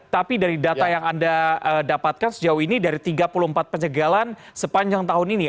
tapi dari data yang anda dapatkan sejauh ini dari tiga puluh empat penyegalan sepanjang tahun ini